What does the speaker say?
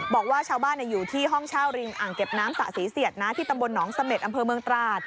บอกว่าชาวบ้านอยู่ที่ห้องเช่าริมอ่างเก็บน้ำสะสีเสียดนะที่ตำบลหนองเสม็ดอำเภอเมืองตราด